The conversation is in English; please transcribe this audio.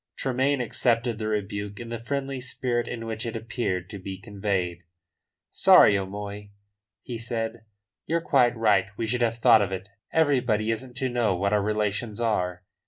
Tremayne accepted the rebuke in the friendly spirit in which it appeared to be conveyed. "Sorry, O'Moy," he said. "You're quite right. We should have thought of it. Everybody isn't to know what our relations are."